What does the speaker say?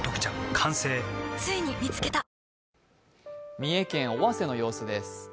三重県尾鷲の様子です。